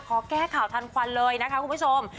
ขอแก้ข่าวทันควันเลยนะคะคุณผู้ชม